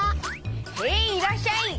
へいいらっしゃい！